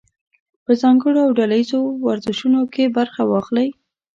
په ځانګړو او ډله ییزو ورزشونو کې برخه واخلئ.